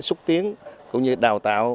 xúc tiến cũng như đào tạo